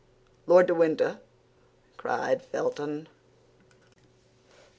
'" "Lord de Winter!" cried Felton.